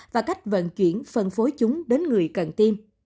và cách vận chuyển phân phối chúng đến người cần tiêm